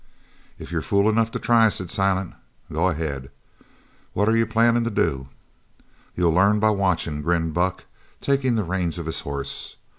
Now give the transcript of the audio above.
"If you're fool enough to try," said Silent, "go ahead. What are you plannin' to do?" "You'll learn by watchin'," grinned Buck, taking the reins of his horse.